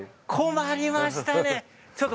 困りましたね。